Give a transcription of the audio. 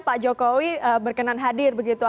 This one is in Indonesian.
pak jokowi berkenan hadir begitu